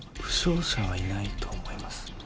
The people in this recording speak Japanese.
負傷者はいないと思います。